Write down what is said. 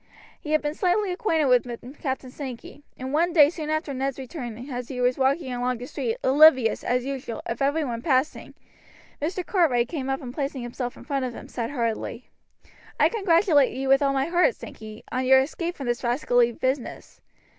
He had been slightly acquainted with Captain Sankey; and one day soon after Ned's return as he was walking along the street oblivious, as usual, of every one passing, Mr. Cartwright came up and placing himself in front of him, said heartily: "I congratulate you with all my heart, Sankey, on your escape from this rascally business.